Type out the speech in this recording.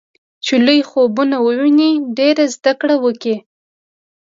چې لوی خوبونه وويني ډېره زده کړه وکړي.